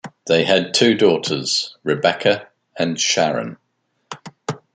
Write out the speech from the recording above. They had two daughters, Rebecca and Sharon.